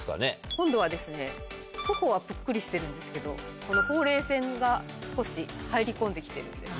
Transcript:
今度は頬はぷっくりしてるんですけどこのほうれい線が少し入り込んで来てるんです。